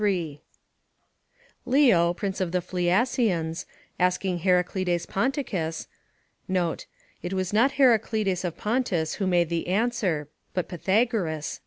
3.] Leo, prince of the Phliasians, asking Heraclides Ponticus [It was not Heraclides of Pontus who made this answer, but Pythagoras.